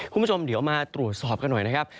คุณผู้ชมเดี๋ยวมาตรวจสอบกันหน่อยนะครับ